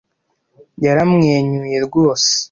Yaramwenyuye rwose.